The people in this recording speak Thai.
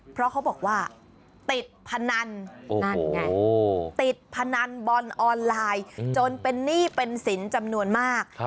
เพราะเขาบอกว่าติดพนันนั่นไงติดพนันบอลออนไลน์จนเป็นหนี้เป็นสินจำนวนมาก